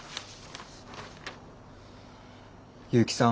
結城さん